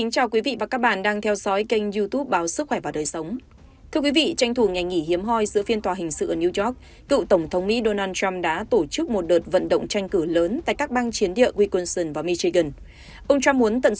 các bạn hãy đăng ký kênh để ủng hộ kênh của chúng mình nhé